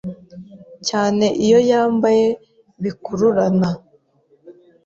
cyane iyo yambaye bikururana